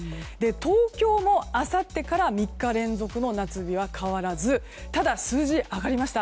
東京もあさってから３日連続の夏日は変わらずただ、数字上がりました。